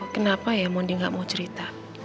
kenapa ya mondi nggak mau cerita